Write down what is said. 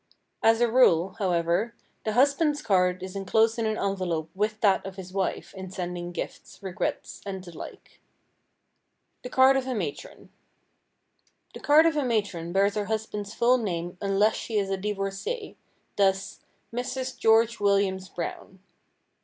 As a rule, however, the husband's card is enclosed in an envelope with that of his wife in sending gifts, regrets and the like. [Sidenote: THE CARD OF A MATRON] The card of a matron bears her husband's full name unless she is a divorcée, thus,—"Mrs. George Williams Brown."